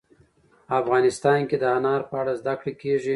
افغانستان کې د انار په اړه زده کړه کېږي.